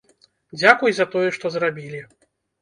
Дзякуй за тое, што зрабілі!